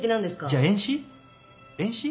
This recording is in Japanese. じゃあ遠視？